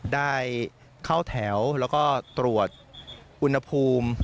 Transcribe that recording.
ได้เข้าแถวแล้วก็ตรวจอุณหภูมิ